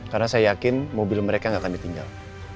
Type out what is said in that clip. karena saya yakin mobil mereka gak akan ditinggal